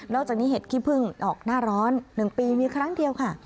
จากนี้เห็ดขี้พึ่งออกหน้าร้อน๑ปีมีครั้งเดียวค่ะ